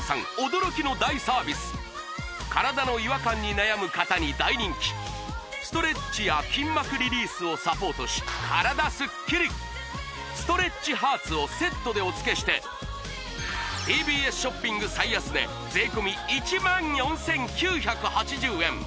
驚きの大サービス体の違和感に悩む方に大人気ストレッチや筋膜リリースをサポートし体スッキリストレッチハーツをセットでお付けしてＴＢＳショッピング最安値税込１４９８０円